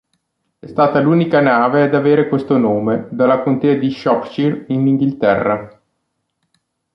È stata l'unica nave ad avere questo nome, dalla Contea di Shropshire, in Inghilterra.